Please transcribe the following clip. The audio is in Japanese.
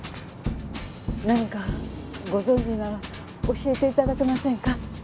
何かご存じなら教えて頂けませんか？